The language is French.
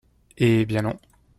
Eh bien non